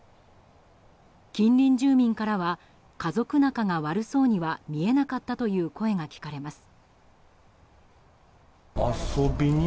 近隣住民からは家族仲が悪そうには見えなかったという声が聞かれます。